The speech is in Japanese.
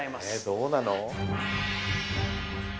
どうなの？